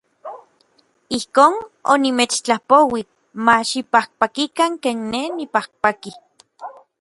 Ijkon onimechtlapouij ma xipajpakikan ken nej nipajpaki.